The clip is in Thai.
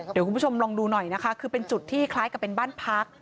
เดี๋ยวคุณผู้ชมลองดูหน่อยนะคะคือเป็นจุดที่คล้ายกับเป็นบ้านพัก